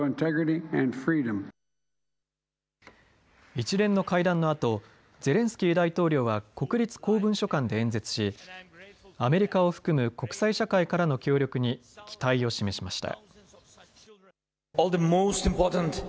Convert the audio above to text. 一連の会談のあとゼレンスキー大統領は国立公文書館で演説しアメリカを含む国際社会からの協力に期待を示しました。